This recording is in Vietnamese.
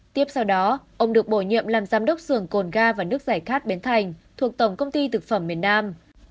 tiếp sau đó ông được bổ nhiệm làm giám đốc xưởng cồn ga và nước giải khát bến thành thuộc tổng công ty thực phẩm miền nam